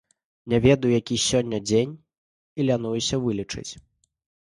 Не ведаю, які сёння дзень, і лянуюся вылічаць.